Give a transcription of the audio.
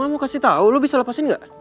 gue gak mau kasih tahu lo bisa lepasin gak